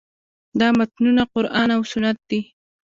دا متنونه قران او سنت دي.